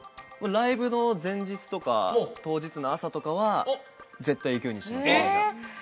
ライブの前日とか当日の朝とかは絶対行くようにしてますえっ？